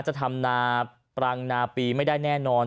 จะทำนาปรังนาปีไม่ได้แน่นอน